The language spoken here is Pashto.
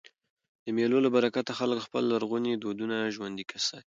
د مېلو له برکته خلک خپل لرغوني دودونه ژوندي ساتي.